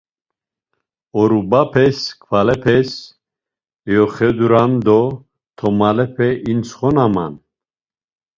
Orubapes, kvalepes eyoxeduran do tomalepe intsxonaman.